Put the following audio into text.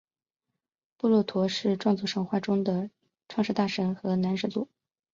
布洛陀是壮族神话中的创世大神和男始祖。